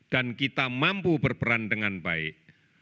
dan kita mampu berperan dengan baik